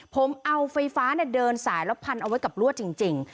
ผมเอาไฟฟ้าเดินสายแล้วพันเอาไว้กับลวดจริง